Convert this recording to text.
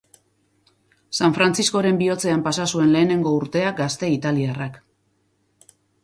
San Frantziskoren bihotzean pasa zuen lehengo urtea gazte italiarrak.